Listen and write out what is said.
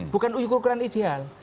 bukan ukuran ideal